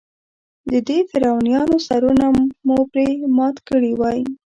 د دې فرعونانو سرونه مو پرې مات کړي وای.